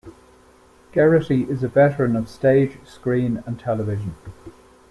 Gerety is a veteran of stage, screen and television.